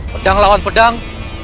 pedang lawan pedang